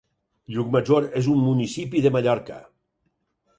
Llucmajor és un municipi de Mallorca.